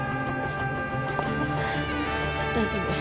大丈夫。